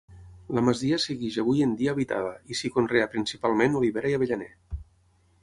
La masia segueix avui en dia habitada, i s'hi conrea principalment olivera i avellaner.